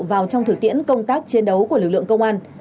vào trong thực tiễn công tác chiến đấu của lực lượng công an